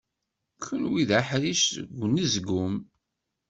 Kenwi d aḥric seg unezgum.